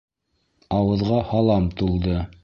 Ауыҙға һалам тулды!